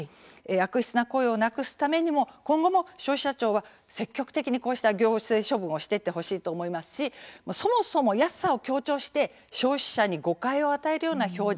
悪質な行為をなくすためにも今後も消費者庁は積極的にこうした行政処分をしていってほしいと思いますしそもそも安さを強調して消費者に誤解を与えるような表示